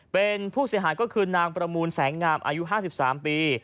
เป็นผู้เสียหายก็คือนางประมูลแสงงามอายุ๕๓ปี